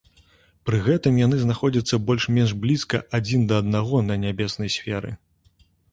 Пры гэтым яны знаходзяцца больш-менш блізка адзін да аднаго на нябеснай сферы.